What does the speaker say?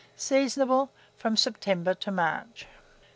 Seasonable from September to March.